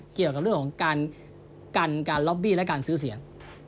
เกี่ยวกับเรื่องของการกันการล็อบบี้และการซื้อเสียง